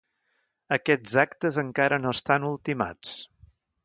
Aquests actes encara no estan ultimats.